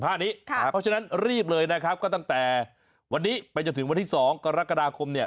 เพราะฉะนั้นรีบเลยนะครับก็ตั้งแต่วันนี้ไปจนถึงวันที่๒กรกฎาคมเนี่ย